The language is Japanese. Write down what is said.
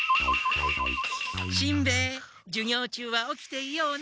しんべヱ授業中は起きていような。